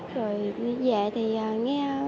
rồi về thì nghe